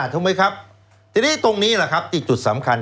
ถูกไหมครับทีนี้ตรงนี้แหละครับอีกจุดสำคัญ